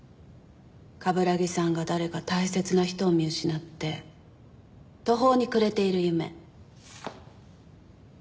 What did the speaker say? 冠城さんが誰か大切な人を見失って途方に暮れている夢。